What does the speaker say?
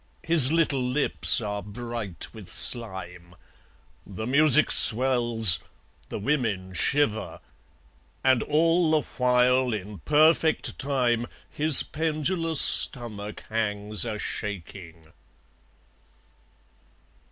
His little lips are bright with slime. The music swells. The women shiver. And all the while, in perfect time, His pendulous stomach hangs a shaking.